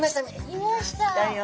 いましたよ